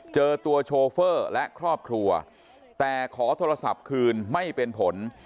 เจอตัวโชเฟอร์และครอบครัวแต่ขอโทรศัพท์คืนไม่เป็นผล